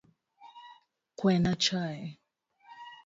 Kwena chai